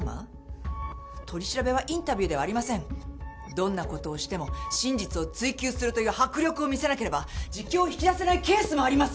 どんな事をしても真実を追及するという迫力を見せなければ自供を引き出せないケースもあります。